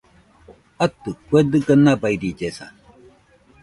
Atɨ , kue dɨga nabairillesa